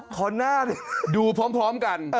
ขอหน้าดูพร้อมกัน